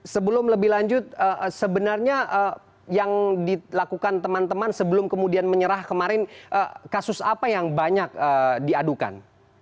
sebelum lebih lanjut sebenarnya yang dilakukan teman teman sebelum kemudian menyerah kemarin kasus apa yang banyak diadukan